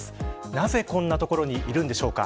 なぜこんなところにいるのでしょうか。